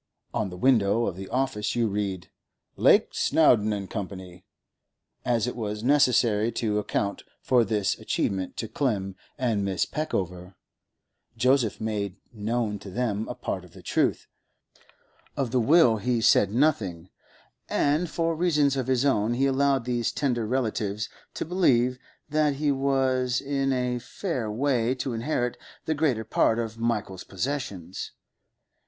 On the window of the office you read, 'Lake, Snowdon, & Co.' As it was necessary to account for this achievement to Clem and Mrs. Peckover, Joseph made known to them a part of the truth; of the will he said nothing, and, for reasons of his own, he allowed these tender relatives to believe that he was in a fair way to inherit the greater part of Michael's possessions.